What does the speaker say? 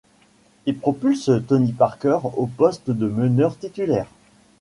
Il propulse Tony Parker au poste de meneur titulaire.